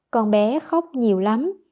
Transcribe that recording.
con bé khóc nhiều lắm